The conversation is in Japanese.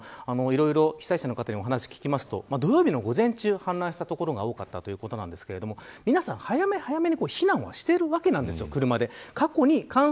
被災者の方に話を聞きますと土曜日の午前中に氾濫した所が多かったということですが皆さん、早め早めに車で避難はしているわけです。